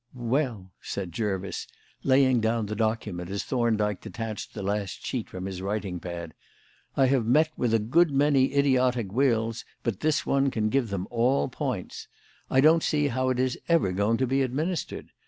"Well," said Jervis, laying down the document as Thorndyke detached the last sheet from his writing pad, "I have met with a good many idiotic wills, but this one can give them all points. I don't see how it is ever going to be administered.